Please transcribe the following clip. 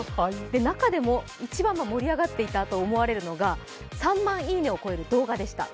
中でも一番盛り上がっていたと思われるのが、３万いいねを超える動画でした。